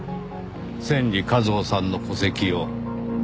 千里一歩さんの戸籍を。